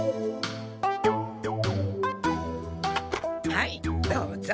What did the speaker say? はいどうぞ。